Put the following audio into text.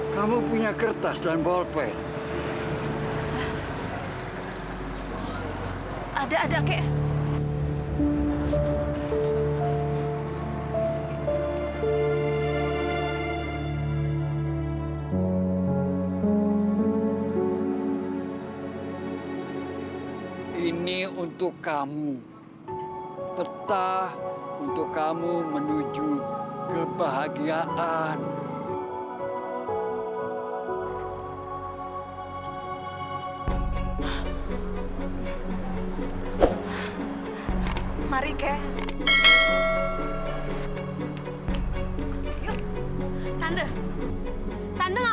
cinta gak boleh ngomong kayak begitu